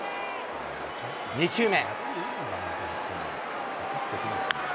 ２球目。